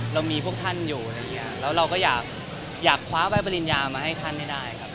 เรามีพวกท่านอยู่แล้วก็อยากคว้าใบปริญญามาให้ท่านได้